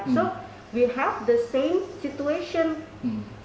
jadi kita memiliki situasi yang sama